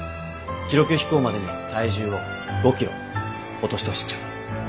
記録飛行までに体重を５キロ落としてほしいっちゃ。